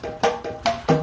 tidak n marion